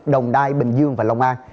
đồng đai bình dương và long an